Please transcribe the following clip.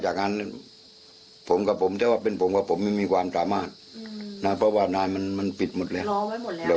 ถ้านานกว่านั้นคือออกไม่ได้แล้วเพราะว่านายรอไว้หมดแล้ว